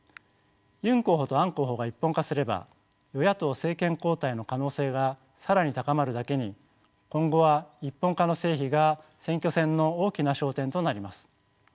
ユン候補とアン候補が一本化すれば与野党政権交代の可能性が更に高まるだけに今後は一本化の成否が選挙戦の大きな焦点となります。